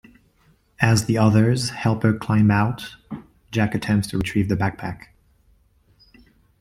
As the others help her climb out, Jack attempts to retrieve the backpack.